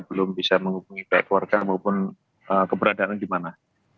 kita belum bisa menghubungi kekeluarga maupun keberadaan di mana